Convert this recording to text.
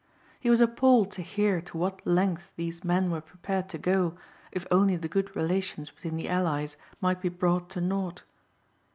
He was appalled to hear to what length these men were prepared to go if only the good relations between the Allies might be brought to naught.